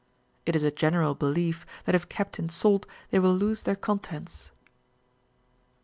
It is a general be lief, that if kept in salt, they will lose their contents.